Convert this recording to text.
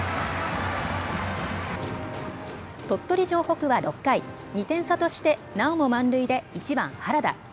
鳥取城北は６回、２点差としてなおも満塁で１番・原田。